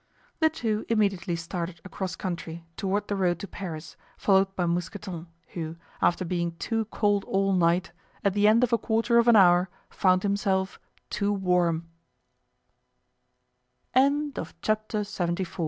The two immediately started across country toward the road to Paris, followed by Mousqueton, who, after being too cold all night, at the end of a quarter of an hour found himself too warm. Chapter LXXV. The Return.